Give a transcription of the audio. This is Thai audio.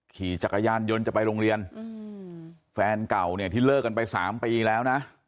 ขี่จักรยานยนต์จะไปโรงเรียนแฟนเก่าเนี่ยที่เลิกกันไปสามปีแล้วนะ